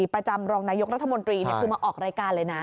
ประจำรองนายกรัฐมนตรีคือมาออกรายการเลยนะ